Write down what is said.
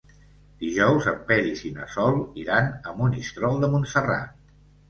Dijous en Peris i na Sol iran a Monistrol de Montserrat.